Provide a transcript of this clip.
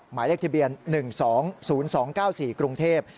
หมายเลขทะเบียน๑๒๐๒๙๔กรุงเทพฯ